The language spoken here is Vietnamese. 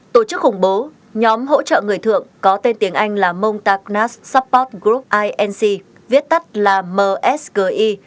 tổ chức khủng bố nhóm hỗ trợ người thượng có tên tiếng anh là montagnas support group inc viết tắt là msgi